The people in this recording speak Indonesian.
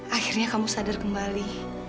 akhirnya kamu sadar kembali